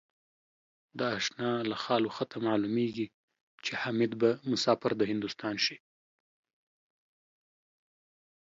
د آشناله خال و خطه معلومېږي ـ چې حمیدبه مسافر دهندوستان شي